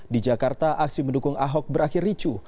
di jakarta aksi mendukung ahok berakhir ricu